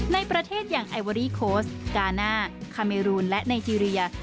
ในประเทศอย่างไอเวอรี่โค้ชกาน่าคาเมรูนและไนทีเรีย